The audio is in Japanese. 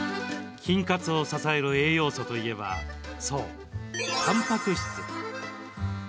筋活を支える栄養素といえばそう、たんぱく質。